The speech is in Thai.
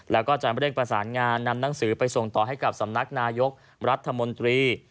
แล้วก็จะเร่งประสานงานนำหนังสือไปส่งต่อให้กับสำนักนายกรัฐมนตรี